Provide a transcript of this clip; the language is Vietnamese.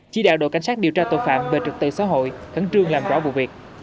chỉ đạo đội cảnh sát điều tra tội phạm về trực tự xã hội khẩn trương làm rõ vụ việc